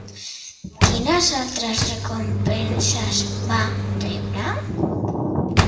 Quines altres recompenses va rebre?